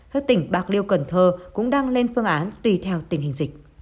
các tỉnh bạc liêu cần thơ cũng đang lên phương án tùy theo tình hình dịch